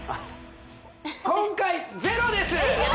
今回ゼロです！